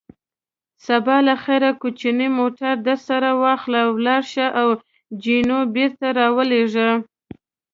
سبا له خیره کوچنی موټر درسره واخله، ولاړ شه او جینو بېرته را ولېږه.